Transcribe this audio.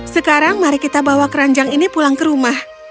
sekarang mari kita bawa keranjang ini pulang ke rumah